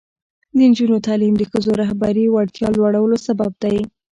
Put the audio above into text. د نجونو تعلیم د ښځو رهبري وړتیا لوړولو سبب دی.